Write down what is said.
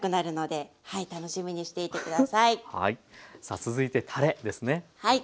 さあ続いてたれですね。